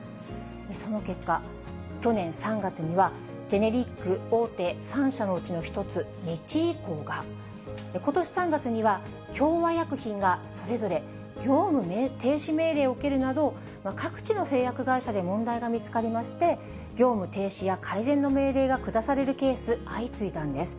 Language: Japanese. その結果、去年３月には、ジェネリック大手３社のうちの１つ、日医工が、ことし３月には共和薬品が、それぞれ業務停止命令を受けるなど、各地の製薬会社で問題が見つかりまして、業務停止や改善の命令が下されるケース、相次いだんです。